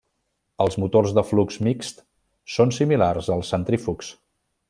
Els motors de flux mixt són similar als centrífugs.